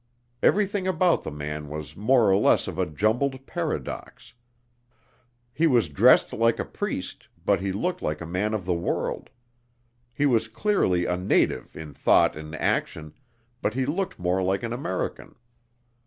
Everything about the man was more or less of a jumbled paradox; he was dressed like a priest, but he looked like a man of the world; he was clearly a native in thought and action, but he looked more like an American.